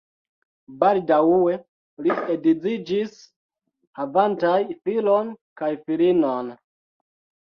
Baldaŭe li edziĝis, havantaj filon kaj filinon.